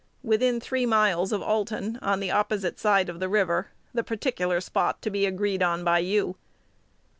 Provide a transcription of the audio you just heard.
Within three miles of Alton, on the opposite side of the river, the particular spot to be agreed on by you.